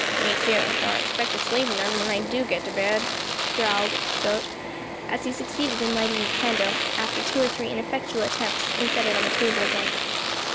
"Me too; don't expect to sleep none when I do get to bed," growled Gote, as he succeeded in lighting the candle, after two or three ineffectual attempts, and set it on the table again.